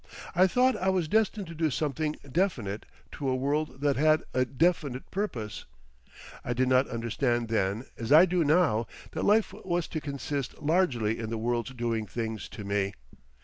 I thought I was destined to do something definite to a world that had a definite purpose. I did not understand then, as I do now, that life was to consist largely in the world's doing things to me.